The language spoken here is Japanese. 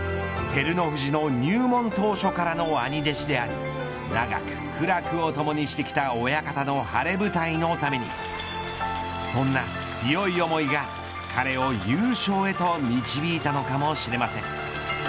照ノ富士の入門当初からの兄弟子であり長く苦楽をともにしてきた親方の晴れ舞台のためにそんな強い思いが彼を優勝へと導いたのかもしれません。